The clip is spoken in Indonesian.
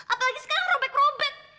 apalagi sekarang robek robek